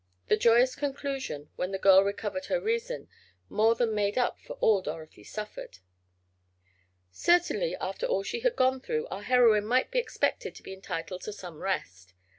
The joyous conclusion, when the girl recovered her reason, more than made up for all Dorothy suffered. Certainly, after all she had gone through, our heroine might be expected to be entitled to some rest.